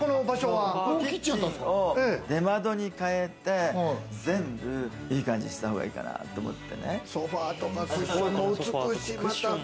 キッチンを出窓に変えて、全部いい感じにした方がいいかなと思ってね。